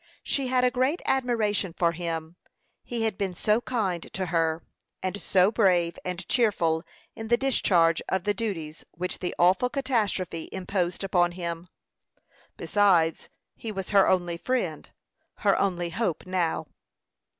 She had a great admiration for him; he had been so kind to her, and so brave and cheerful in the discharge of the duties which the awful catastrophe imposed upon him. Besides, he was her only friend her only hope now.